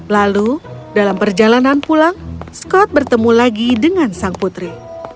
lalu dalam perjalanan pulang scott bertemu lagi dengan sang putri